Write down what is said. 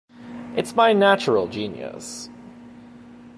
It's my natural genius.